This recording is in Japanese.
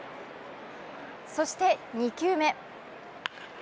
そして２球目。